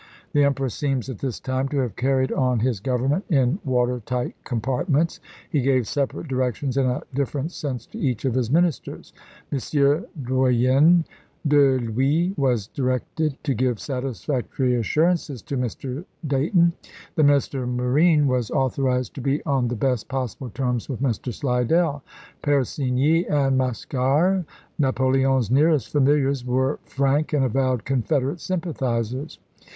The Emperor seems at this time to have carried on his Government in water tight compartments. He gave separate directions in a different sense to each of his ministers. M. Drouyn de l'Huys was directed to give satisfactory assurances to Mr. Dayton ; the Minister of Marine was authorized to be on the best possible terms with Mr. Slidell; Persigny and Mocquard, Napoleon's nearest familiars, were frank and avowed Confederate sympathizers.